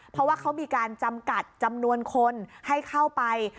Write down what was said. เพราะว่าเขามีการจำกัดจำนวนคนให้เข้าไป